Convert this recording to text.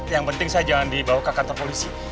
yang penting saya jangan dibawa ke kantor polisi